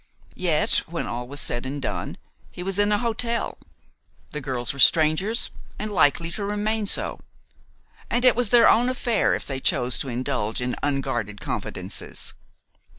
Yet, when all was said and done, he was in a hotel; the girls were strangers, and likely to remain so; and it was their own affair if they chose to indulge in unguarded confidences.